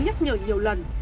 nhắc nhở nhiều lần